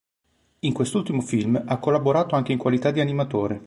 In quest'ultimo film ha collaborato anche in qualità di animatore.